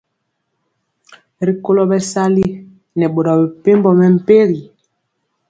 Rikolo bɛsali nɛ boro mepempɔ mɛmpegi.